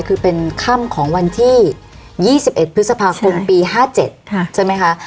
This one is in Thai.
คือเป็นค่ำของวันที่๒๑พฤษภาคมปี๕๗ใช่ไหมคะ